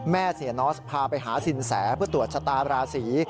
แม่เสียนอสพาไปหาสินแสเพื่อตรวจชะตาราศี